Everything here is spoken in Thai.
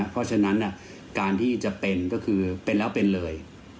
เพราะฉะนั้นการที่จะเป็นก็คือเป็นแล้วเป็นเลย